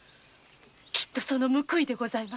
きっとその報いでございます。